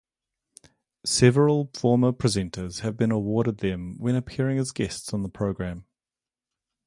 Several former presenters have been awarded them when appearing as guests on the programme.